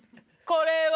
「これは」。